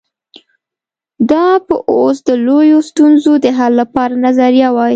دا به اوس د لویو ستونزو د حل لپاره نظریه وای.